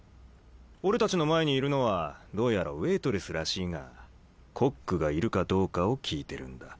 俺たちの前にいるのはどうやらウエートレスらしいがコックがいるかどうかを聞いてるんだ。